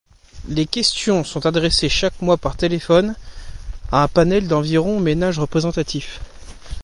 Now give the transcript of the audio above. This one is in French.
Les questions sont adressées chaque mois par téléphone, à un panel d'environ ménages représentatifs.